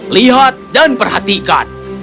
lihat dan perhatikan